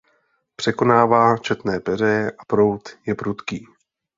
Překonává četné peřeje a proud je prudký.